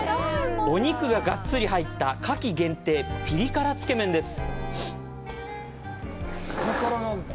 お肉がガッツリ入った夏季限定ピリ辛つけ麺です。